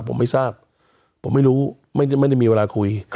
ผมไม่ทราบผมไม่รู้ไม่ได้มีเวลาคุย